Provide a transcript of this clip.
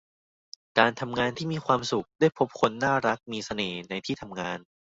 การทำงานที่มีความสุข ได้พบคนน่ารักมีเสน่ห์ในที่ทำงาน